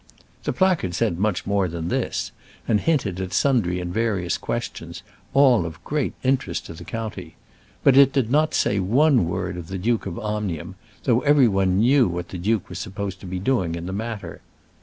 The placard said much more than this, and hinted at sundry and various questions, all of great interest to the county; but it did not say one word of the Duke of Omnium, though every one knew what the duke was supposed to be doing in the matter.